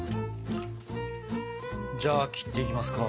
じゃあ切っていきますか。